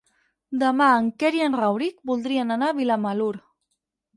Demà en Quer i en Rauric voldrien anar a Vilamalur.